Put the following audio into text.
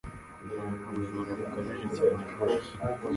Ubujura bukabije cyane rwose